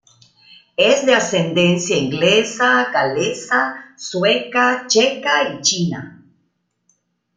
Es de ascendencia inglesa, galesa, sueca, checa y china.